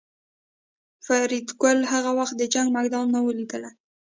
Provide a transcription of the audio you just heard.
فریدګل هغه وخت د جنګ میدان نه و لیدلی